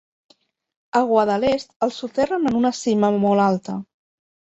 A Guadalest els soterren en una cima molt alta.